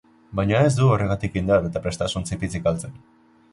Baina ez du horregatik indar eta prestasun zipitzik galtzen.